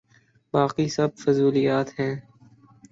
باقی سب فضولیات ہیں۔